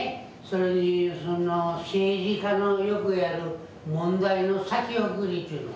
それにその政治家のよくやる問題の先送りちゅうの？